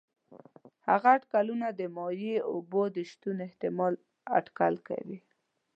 هغه اټکلونه د مایع اوبو د شتون احتمال اټکل کوي.